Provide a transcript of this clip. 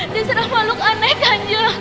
diserah makhluk aneh kanjeng